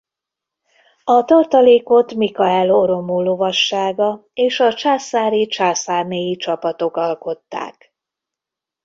A tartalékot Mikael oromo lovassága és a császári-császárnéi csapatok alkották.